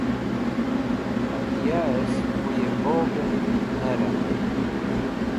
Atyas̃h kuyẽ bogẽn ne randẽn.